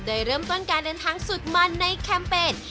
โดยเริ่มต้นการเดินทางสุดมันในแคมเปญ